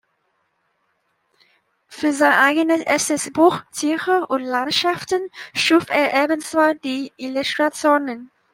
Für sein eigenes erstes Buch „Tiere und Landschaften“ schuf er ebenfalls die Illustrationen.